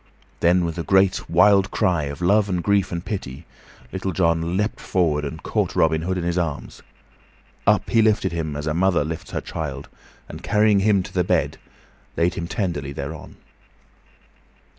Then, with a great, wild cry of love and grief and pity, Little John leaped forward and caught Robin Hood in his arms. Up he lifted him as a mother lifts her child, and carrying him to the bed, laid him tenderly thereon.